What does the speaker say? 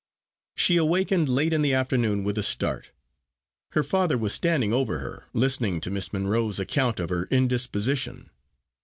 She awakened late in the afternoon with a start. Her father was standing over her, listening to Miss Monro's account of her indisposition.